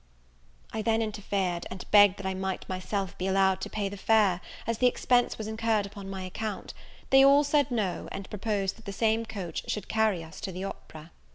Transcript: I then interfered, and begged that I might myself be allowed to pay the fare, as the expense was incurred upon my account; they all said no, and proposed that the same coach should carry us to the opera.